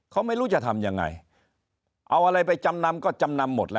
เขาไม่รู้จะทำยังไงเอาอะไรไปจำนำก็จำนำหมดแล้ว